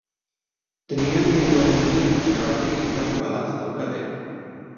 Triangeluaren erdian, lorategi pribatua bat daukate.